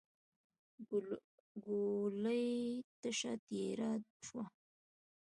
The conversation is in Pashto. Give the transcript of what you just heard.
ګولۍ تشه تېره شوه.